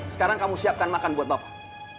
sekarang kamu siapkan makan buat bapak